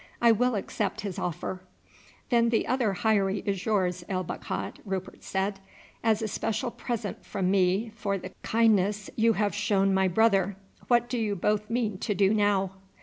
I will accept his offer." "Then the other heirie is yours, El Bakhat," Rupert said, "as a special present from me for the kindness you have shown my brother. What do you both mean to do now?"